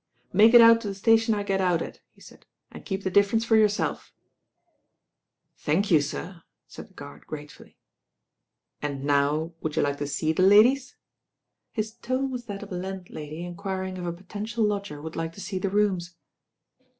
"Make it out to the station I get out at," he said, "and keep the difference for yourself." ido II THE RAIN GIRL ^^ "Thank you, sir," said the guard gratefully. And now, would you like to see the ladies?" His tone was that of a landlady inquiring if a potential lodger would like to see the rooms.